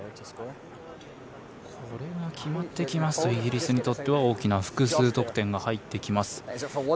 決まってきますとイギリスにとっては大きな複数得点が入ってきます。